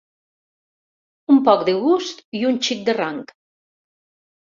Un poc de gust i un xic de rang.